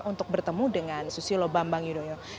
untuk bertemu dengan susilo bambang yudhoyono